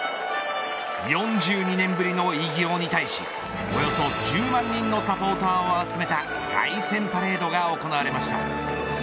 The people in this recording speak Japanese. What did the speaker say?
４２年ぶりの偉業に対しおよそ１０万人のサポーターを集めた凱旋パレードが行われました。